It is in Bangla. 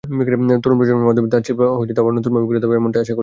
তরুণ প্রজন্মের মাধ্যমেই তাঁতশিল্প আবার নতুনভাবে ঘুরে দাঁড়াবে এমনটাই আশা করি।